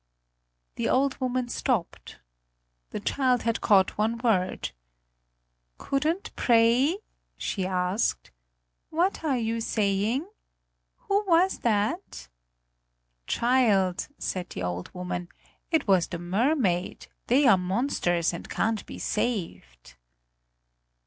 The old woman stopped. The child had caught one word: "Couldn't pray?" she asked. "What are you saying? Who was that?" "Child," said the old woman; "it was the mermaid; they are monsters and can't be saved."